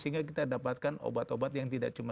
sehingga kita dapatkan obat obat yang tidak cuma